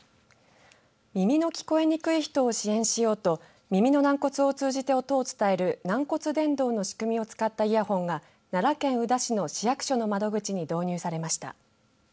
耳の聞こえにくい人を支援しようと耳の軟骨を通じて音を伝える軟骨伝導の仕組みを使ったイヤホンが奈良県宇陀市の市役所の窓口に導入されました。